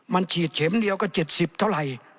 มันฉีดเข็มเดียวก็๗๐เท่าไหร่